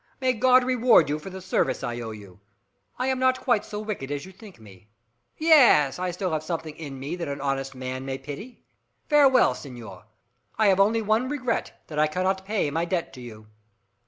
May God reward you for the service I owe you! I am not quite so wicked as you think me. Yes, I still have something in me that an honest man may pity. Farewell, senor! I have only one regret that I can not pay my debt to you!"